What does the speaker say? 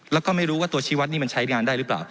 แล้วก็ไม่รู้ว่าตัวชีวัตรนี่มันใช้งานได้หรือเปล่า